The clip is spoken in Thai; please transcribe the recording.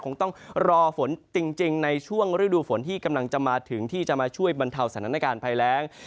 คงต้องรอฝนจริงในช่วงฤดูฝนที่กำลังจะมาถึงที่จะมาช่วยบรรเทาสถานการณ์ภัยแรง